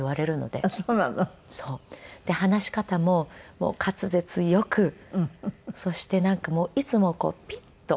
で話し方も滑舌よくそしてなんかいつもピッと。